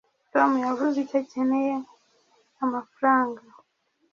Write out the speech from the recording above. tom yavuze icyo akeneye amafaranga